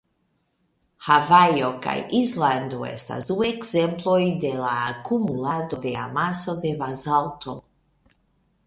Havajo kaj Islando estas du ekzemploj de la akumulado de amaso de bazalto.